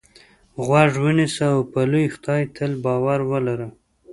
غوږ ونیسه او په لوی خدای تل باور ولره.